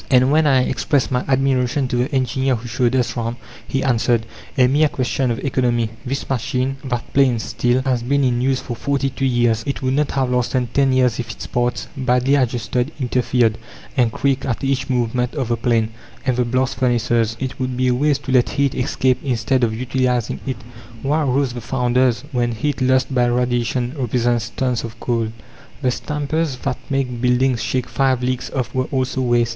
And when I expressed my admiration to the engineer who showed us round, he answered "A mere question of economy! This machine, that planes steel, has been in use for forty two years. It would not have lasted ten years if its parts, badly adjusted, 'interfered' and creaked at each movement of the plane! "And the blast furnaces? It would be a waste to let heat escape instead of utilizing it. Why roast the founders, when heat lost by radiation represents tons of coal? "The stampers that made buildings shake five leagues off were also waste.